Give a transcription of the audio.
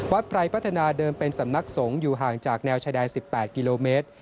ไพรพัฒนาเดิมเป็นสำนักสงฆ์อยู่ห่างจากแนวชายแดน๑๘กิโลเมตร